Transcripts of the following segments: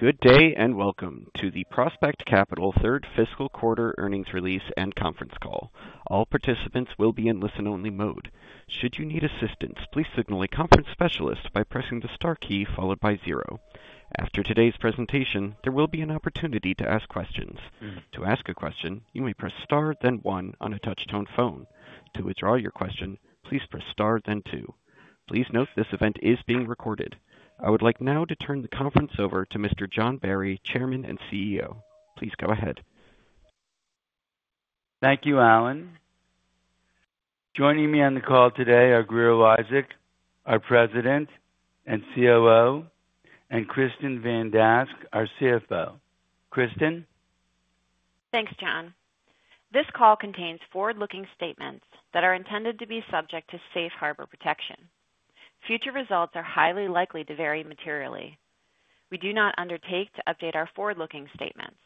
Good day and welcome to the Prospect Capital Third Fiscal Quarter Earnings Release and Conference Call. All participants will be in listen-only mode. Should you need assistance, please signal a conference specialist by pressing the star key followed by zero. After today's presentation, there will be an opportunity to ask questions. To ask a question, you may press star, then one on a touch-tone phone. To withdraw your question, please press star, then two. Please note this event is being recorded. I would like now to turn the conference over to Mr. John Barry, Chairman and CEO. Please go ahead. Thank you, Alan. Joining me on the call today are Grier Eliasek, our President and COO, and Kristin Van Dask, our CFO. Kristin? Thanks, John. This call contains forward-looking statements that are intended to be subject to safe harbor protection. Future results are highly likely to vary materially. We do not undertake to update our forward-looking statements.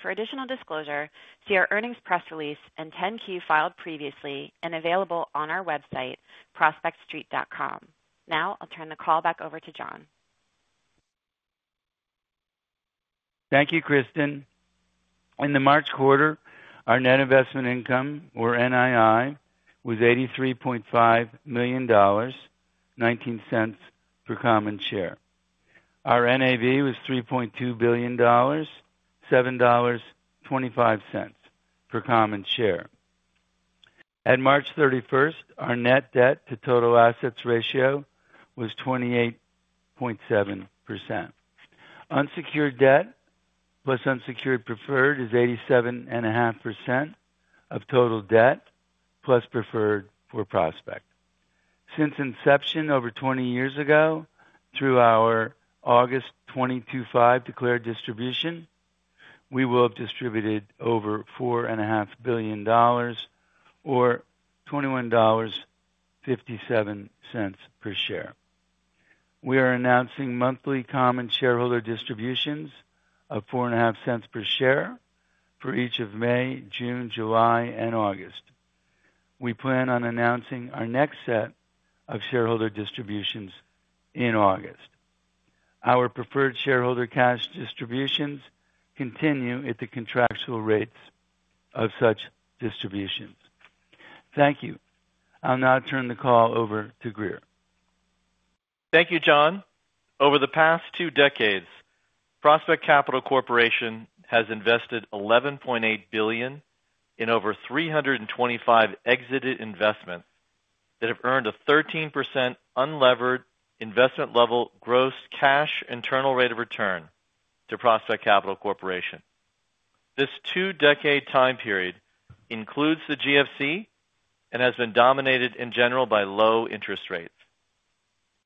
For additional disclosure, see our earnings press release and 10-K filed previously and available on our website, prospectstreet.com. Now I'll turn the call back over to John. Thank you, Kristin. In the March quarter, our net investment income, or NII, was $83.5 million, $0.19 per common share. Our NAV was $3.2 billion, $7.25 per common share. At March 31, our net debt to total assets ratio was 28.7%. Unsecured debt plus unsecured preferred is 87.5% of total debt plus preferred for Prospect. Since inception over 20 years ago, through our August 2025 declared distribution, we will have distributed over $4.5 billion, or $21.57 per share. We are announcing monthly common shareholder distributions of $0.045 per share for each of May, June, July, and August. We plan on announcing our next set of shareholder distributions in August. Our preferred shareholder cash distributions continue at the contractual rates of such distributions. Thank you. I'll now turn the call over to Grier. Thank you, John. Over the past two decades, Prospect Capital Corporation has invested $11.8 billion in over 325 exited investments that have earned a 13% unlevered investment level gross cash internal rate of return to Prospect Capital Corporation. This two-decade time period includes the GFC and has been dominated in general by low interest rates.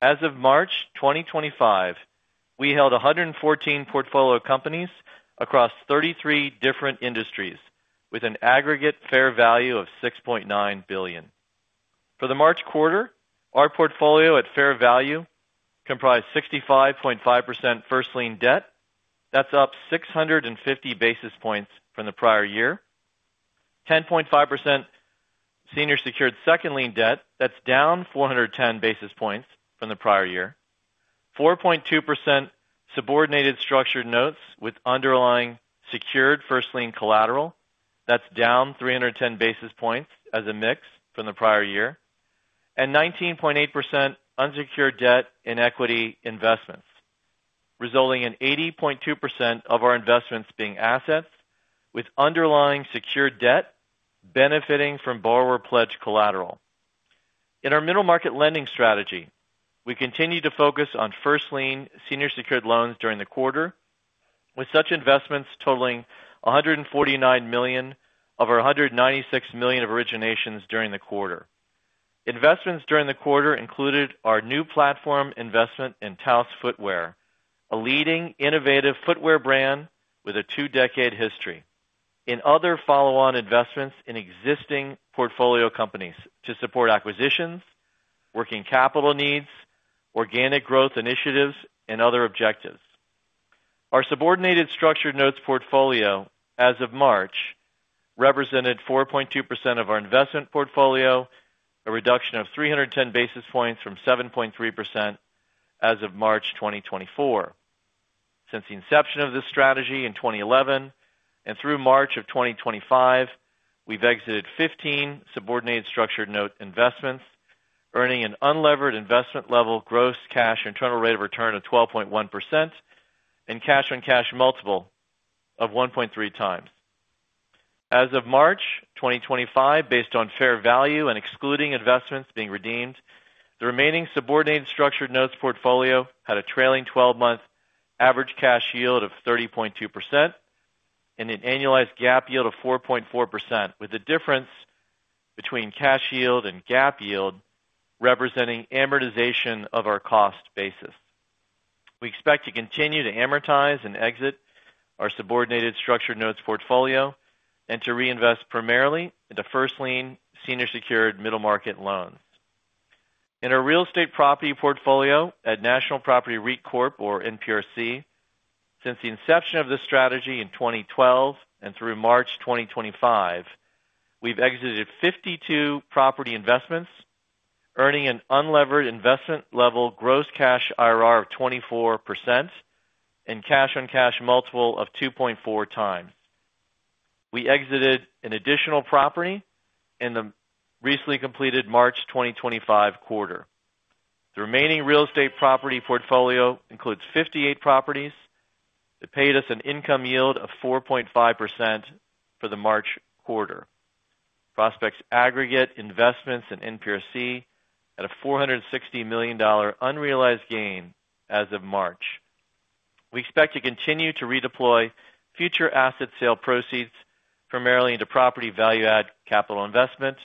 As of March 2025, we held 114 portfolio companies across 33 different industries with an aggregate fair value of $6.9 billion. For the March quarter, our portfolio at fair value comprised 65.5% first lien debt. That's up 650 basis points from the prior year, 10.5% senior secured second lien debt. That's down 410 basis points from the prior year, 4.2% subordinated structured notes with underlying secured first lien collateral. That's down 310 basis points as a mix from the prior year, and 19.8% unsecured debt in equity investments, resulting in 80.2% of our investments being assets with underlying secured debt benefiting from borrower pledge collateral. In our middle market lending strategy, we continue to focus on first lien senior secured loans during the quarter, with such investments totaling $149 million of our $196 million of originations during the quarter. Investments during the quarter included our new platform investment in Taos Footwear, a leading innovative footwear brand with a two-decade history, and other follow-on investments in existing portfolio companies to support acquisitions, working capital needs, organic growth initiatives, and other objectives. Our subordinated structured notes portfolio as of March represented 4.2% of our investment portfolio, a reduction of 310 basis points from 7.3% as of March 2024. Since the inception of this strategy in 2011 and through March of 2025, we've exited 15 subordinated structured note investments, earning an unlevered investment level gross cash internal rate of return of 12.1% and cash on cash multiple of 1.3x. As of March 2025, based on fair value and excluding investments being redeemed, the remaining subordinated structured notes portfolio had a trailing 12-month average cash yield of 30.2% and an annualized GAAP yield of 4.4%, with the difference between cash yield and GAAP yield representing amortization of our cost basis. We expect to continue to amortize and exit our subordinated structured notes portfolio and to reinvest primarily into first lien senior secured middle market loans. In our real estate property portfolio at National Property REIT Corp, or NPRC, since the inception of this strategy in 2012 and through March 2025, we have exited 52 property investments, earning an unlevered investment level gross cash IRR of 24% and cash on cash multiple of 2.4x. We exited an additional property in the recently completed March 2025 quarter. The remaining real estate property portfolio includes 58 properties that paid us an income yield of 4.5% for the March quarter. Prospect's aggregate investments in NPRC had a $460 million unrealized gain as of March. We expect to continue to redeploy future asset sale proceeds primarily into property value-add capital investment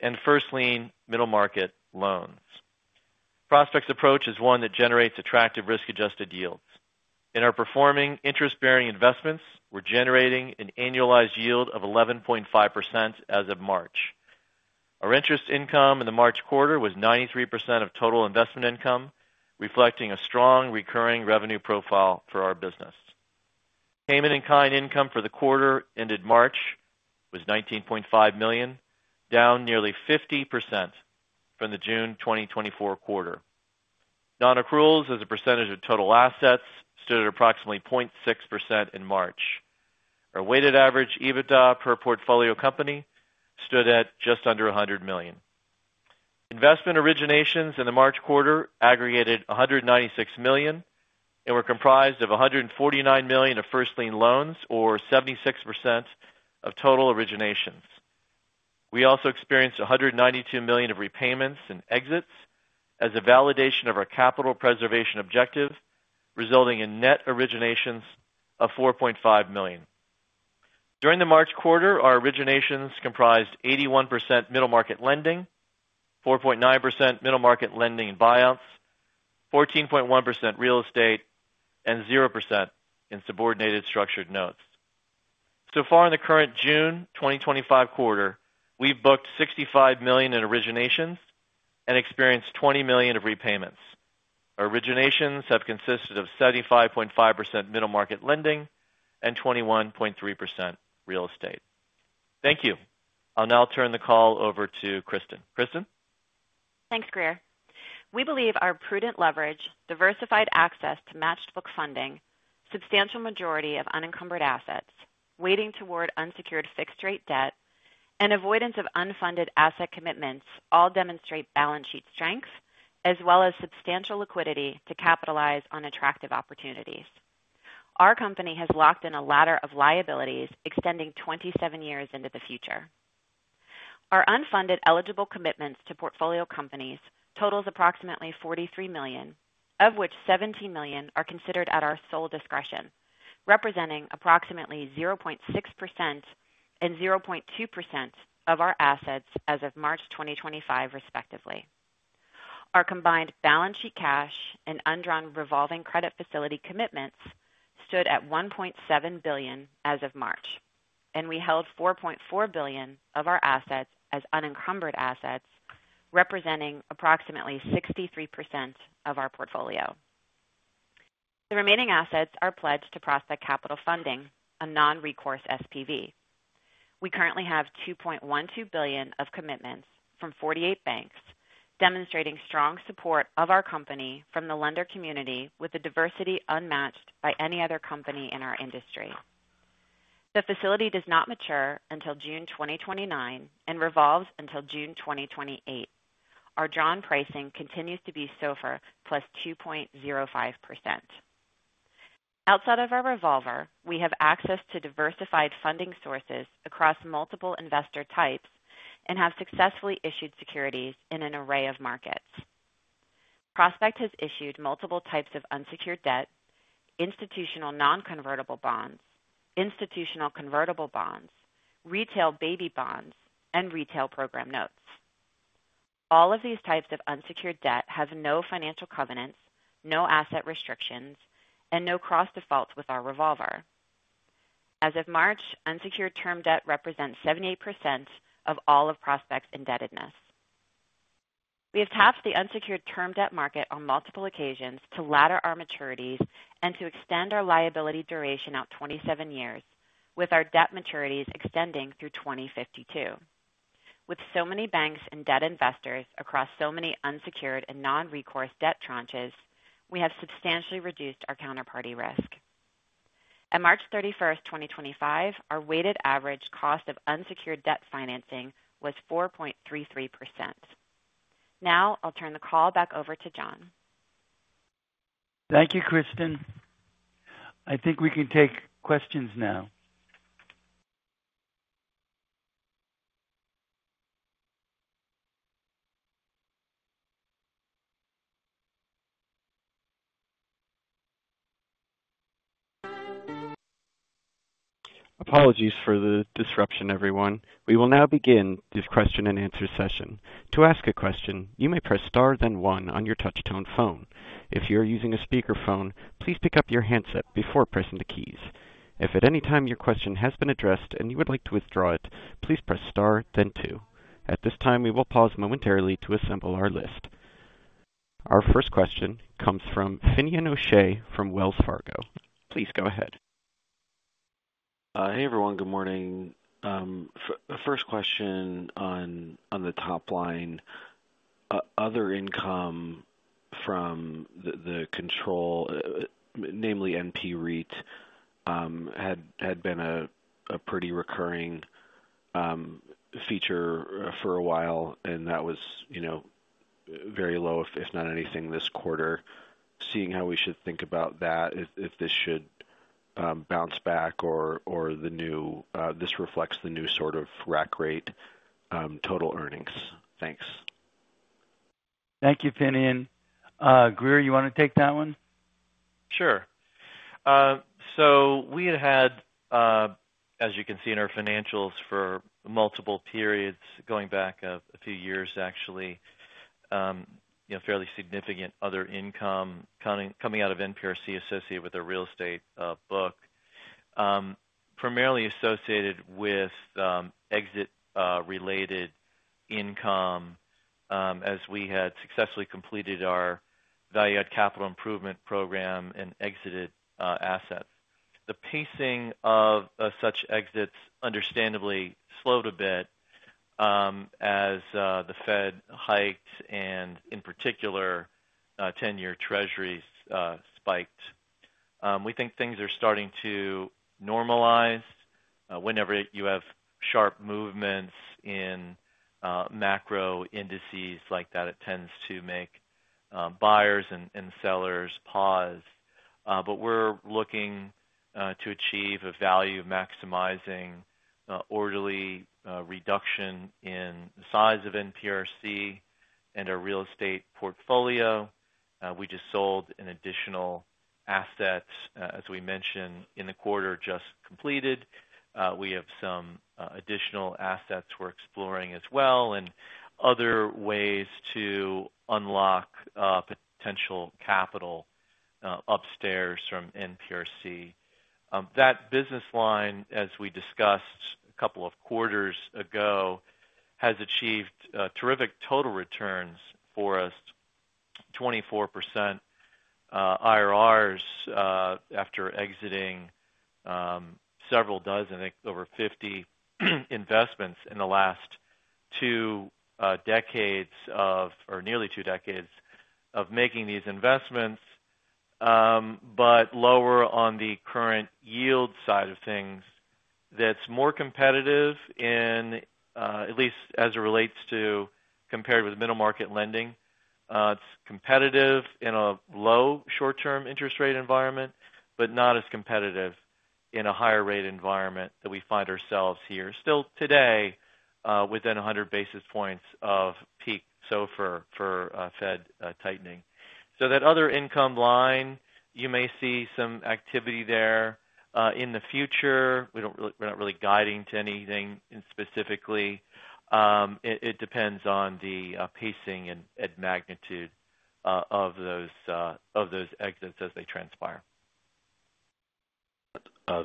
and first lien middle market loans. Prospect's approach is one that generates attractive risk-adjusted yields. In our performing interest-bearing investments, we're generating an annualized yield of 11.5% as of March. Our interest income in the March quarter was 93% of total investment income, reflecting a strong recurring revenue profile for our business. Payment in kind income for the quarter ended March was $19.5 million, down nearly 50% from the June 2024 quarter. Non-accruals as a percentage of total assets stood at approximately 0.6% in March. Our weighted average EBITDA per portfolio company stood at just under $100 million. Investment originations in the March quarter aggregated $196 million and were comprised of $149 million of first lien loans, or 76% of total originations. We also experienced $192 million of repayments and exits as a validation of our capital preservation objective, resulting in net originations of $4.5 million. During the March quarter, our originations comprised 81% middle market lending, 4.9% middle market lending and buyouts, 14.1% real estate, and 0% in subordinated structured notes. So far in the current June 2025 quarter, we've booked $65 million in originations and experienced $20 million of repayments. Our originations have consisted of 75.5% middle market lending and 21.3% real estate. Thank you. I'll now turn the call over to Kristin. Kristin? Thanks, Grier. We believe our prudent leverage, diversified access to matched book funding, substantial majority of unencumbered assets, weighting toward unsecured fixed-rate debt, and avoidance of unfunded asset commitments all demonstrate balance sheet strength as well as substantial liquidity to capitalize on attractive opportunities. Our company has locked in a ladder of liabilities extending 27 years into the future. Our unfunded eligible commitments to portfolio companies totals approximately $43 million, of which $17 million are considered at our sole discretion, representing approximately 0.6% and 0.2% of our assets as of March 2025, respectively. Our combined balance sheet cash and undrawn revolving credit facility commitments stood at $1.7 billion as of March, and we held $4.4 billion of our assets as unencumbered assets, representing approximately 63% of our portfolio. The remaining assets are pledged to Prospect Capital Funding, a non-recourse SPV. We currently have $2.12 billion of commitments from 48 banks, demonstrating strong support of our company from the lender community, with a diversity unmatched by any other company in our industry. The facility does not mature until June 2029 and revolves until June 2028. Our drawn pricing continues to be SOFR+ 2.05%. Outside of our revolver, we have access to diversified funding sources across multiple investor types and have successfully issued securities in an array of markets. Prospect has issued multiple types of unsecured debt, institutional non-convertible bonds, institutional convertible bonds, retail baby bonds, and retail program notes. All of these types of unsecured debt have no financial covenants, no asset restrictions, and no cross-defaults with our revolver. As of March, unsecured term debt represents 78% of all of Prospect's indebtedness. We have tapped the unsecured term debt market on multiple occasions to ladder our maturities and to extend our liability duration out 27 years, with our debt maturities extending through 2052. With so many banks and debt investors across so many unsecured and non-recourse debt tranches, we have substantially reduced our counterparty risk. At March 31, 2025, our weighted average cost of unsecured debt financing was 4.33%. Now I'll turn the call back over to John. Thank you, Kristin. I think we can take questions now. Apologies for the disruption, everyone. We will now begin this question and answer session. To ask a question, you may press star then one on your touch-tone phone. If you're using a speakerphone, please pick up your handset before pressing the keys. If at any time your question has been addressed and you would like to withdraw it, please press star then two. At this time, we will pause momentarily to assemble our list. Our first question comes from Finian O'Shea from Wells Fargo. Please go ahead. Hey, everyone. Good morning. First question on the top line, other income from the control, namely NPRC, had been a pretty recurring feature for a while, and that was very low, if not anything, this quarter. Seeing how we should think about that, if this should bounce back or this reflects the new sort of rack rate total earnings. Thanks. Thank you, Finian. Grier, you want to take that one? Sure. We had had, as you can see in our financials for multiple periods going back a few years, actually, fairly significant other income coming out of NPRC associated with our real estate book, primarily associated with exit-related income as we had successfully completed our value-add capital improvement program and exited assets. The pacing of such exits understandably slowed a bit as the Fed hiked and, in particular, 10-year treasuries spiked. We think things are starting to normalize. Whenever you have sharp movements in macro indices like that, it tends to make buyers and sellers pause. We are looking to achieve a value maximizing orderly reduction in the size of NPRC and our real estate portfolio. We just sold an additional asset, as we mentioned, in the quarter just completed. We have some additional assets we are exploring as well and other ways to unlock potential capital upstairs from NPRC. That business line, as we discussed a couple of quarters ago, has achieved terrific total returns for us, 24% IRRs after exiting several dozen, I think over 50 investments in the last two decades or nearly two decades of making these investments, but lower on the current yield side of things. That is more competitive, at least as it relates to compared with middle market lending. It is competitive in a low short-term interest rate environment, but not as competitive in a higher rate environment that we find ourselves here. Still today, within 100 basis points of peak SOFR for Fed tightening. That other income line, you may see some activity there in the future. We are not really guiding to anything specifically. It depends on the pacing and magnitude of those exits as they transpire.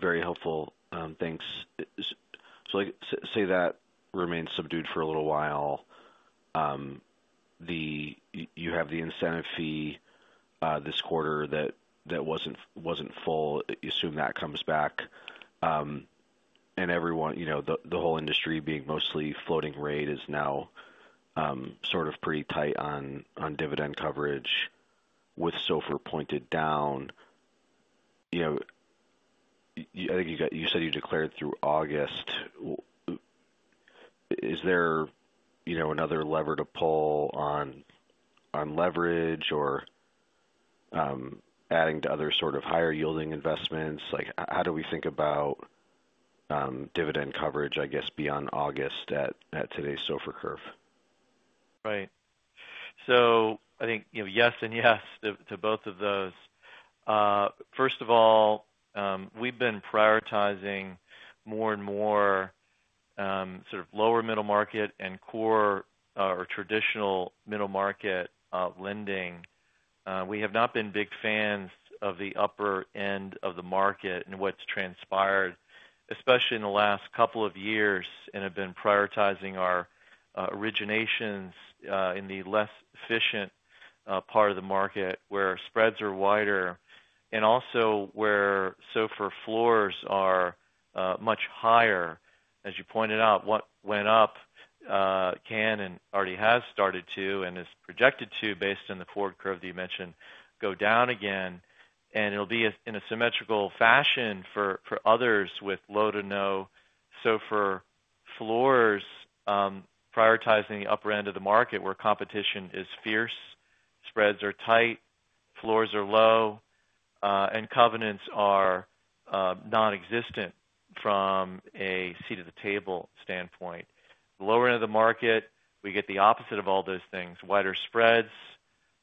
Very helpful. Thanks. Say that remains subdued for a little while. You have the incentive fee this quarter that was not full. You assume that comes back. The whole industry being mostly floating rate is now sort of pretty tight on dividend coverage with SOFR pointed down. I think you said you declared through August. Is there another lever to pull on leverage or adding to other sort of higher yielding investments? How do we think about dividend coverage, I guess, beyond August at today's SOFR curve? Right. I think yes and yes to both of those. First of all, we've been prioritizing more and more sort of lower middle market and core or traditional middle market lending. We have not been big fans of the upper end of the market and what's transpired, especially in the last couple of years, and have been prioritizing our originations in the less efficient part of the market where spreads are wider and also where SOFR floors are much higher. As you pointed out, what went up can and already has started to and is projected to, based on the forward curve that you mentioned, go down again. It will be in a symmetrical fashion for others with low to no SOFR floors, prioritizing the upper end of the market where competition is fierce, spreads are tight, floors are low, and covenants are nonexistent from a seat-at-the-table standpoint. The lower end of the market, we get the opposite of all those things: wider spreads,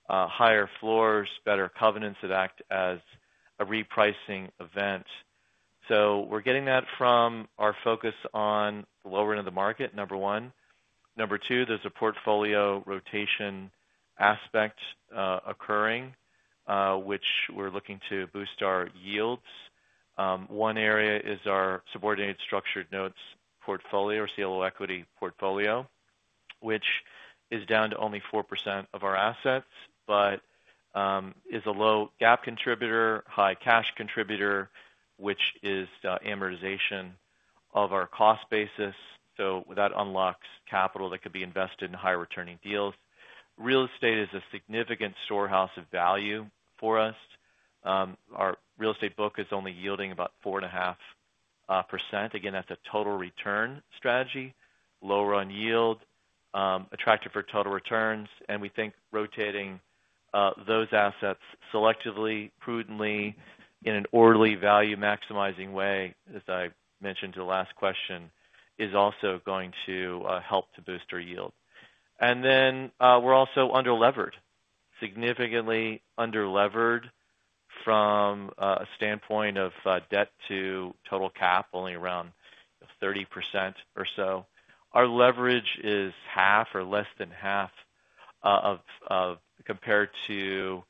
higher floors, better covenants that act as a repricing event. We are getting that from our focus on the lower end of the market, number one. Number two, there is a portfolio rotation aspect occurring, which we are looking to boost our yields. One area is our subordinated structured notes portfolio or CLO equity portfolio, which is down to only 4% of our assets, but is a low gap contributor, high cash contributor, which is amortization of our cost basis. That unlocks capital that could be invested in higher returning deals. Real estate is a significant storehouse of value for us. Our real estate book is only yielding about 4.5%. Again, that is a total return strategy, low run yield, attractive for total returns. We think rotating those assets selectively, prudently, in an orderly value maximizing way, as I mentioned to the last question, is also going to help to boost our yield. We are also underlevered, significantly underlevered from a standpoint of debt to total cap, only around 30% or so. Our leverage is half or less than half compared to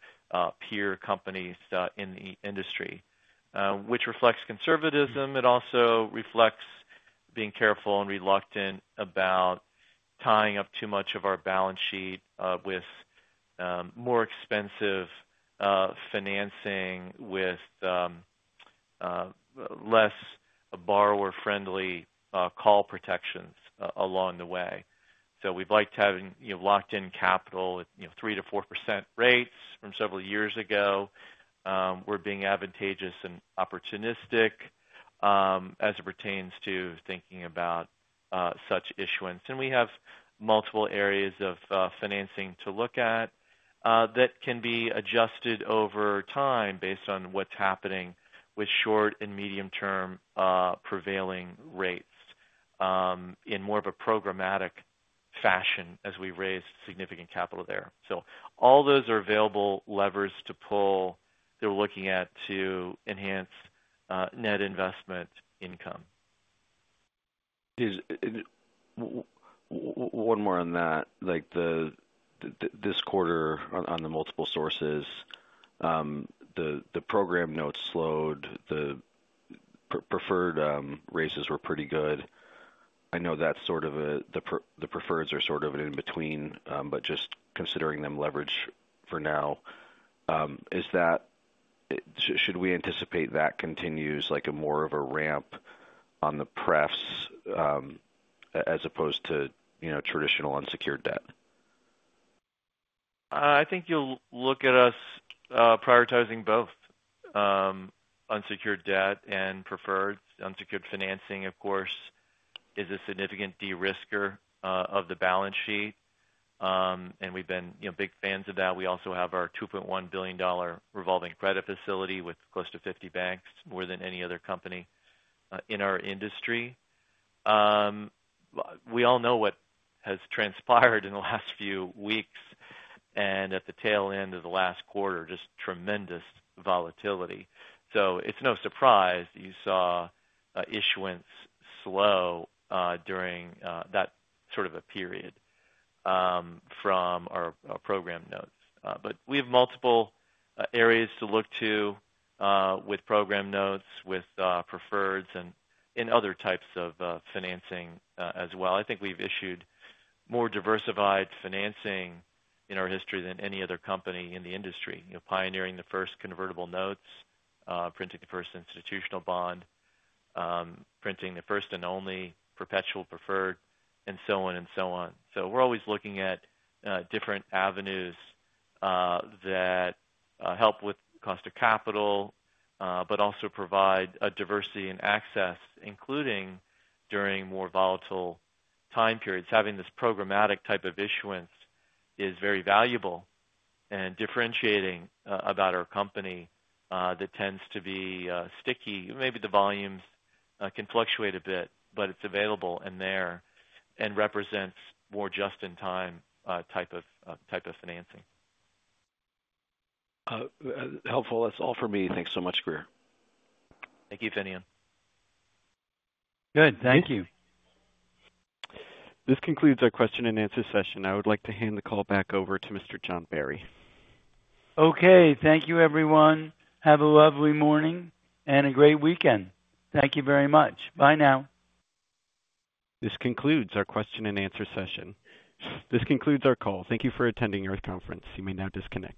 peer companies in the industry, which reflects conservatism. It also reflects being careful and reluctant about tying up too much of our balance sheet with more expensive financing with less borrower-friendly call protections along the way. We have liked having locked-in capital at 3%-4% rates from several years ago. We are being advantageous and opportunistic as it pertains to thinking about such issuance. We have multiple areas of financing to look at that can be adjusted over time based on what's happening with short and medium-term prevailing rates in more of a programmatic fashion as we raise significant capital there. All those are available levers to pull that we're looking at to enhance net investment income. One more on that. This quarter on the multiple sources, the program notes slowed. The preferred raises were pretty good. I know that's sort of the preferreds are sort of in between, but just considering them leverage for now, should we anticipate that continues like more of a ramp on the prefs as opposed to traditional unsecured debt? I think you'll look at us prioritizing both unsecured debt and preferred. Unsecured financing, of course, is a significant de-risker of the balance sheet, and we've been big fans of that. We also have our $2.1 billion revolving credit facility with close to 50 banks, more than any other company in our industry. We all know what has transpired in the last few weeks, and at the tail end of the last quarter, just tremendous volatility. It is no surprise you saw issuance slow during that sort of a period from our program notes. We have multiple areas to look to with program notes, with preferreds, and in other types of financing as well. I think we've issued more diversified financing in our history than any other company in the industry, pioneering the first convertible notes, printing the first institutional bond, printing the first and only perpetual preferred, and so on and so on. We are always looking at different avenues that help with cost of capital, but also provide a diversity in access, including during more volatile time periods. Having this programmatic type of issuance is very valuable, and differentiating about our company that tends to be sticky. Maybe the volumes can fluctuate a bit, but it's available and there and represents more just-in-time type of financing. Helpful. That's all for me. Thanks so much, Grier. Thank you, Finian. Good. Thank you. This concludes our question and answer session. I would like to hand the call back over to Mr. John Barry. Okay. Thank you, everyone. Have a lovely morning and a great weekend. Thank you very much. Bye now. This concludes our question and answer session. This concludes our call. Thank you for attending our conference. You may now disconnect.